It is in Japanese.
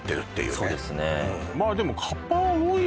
そうですね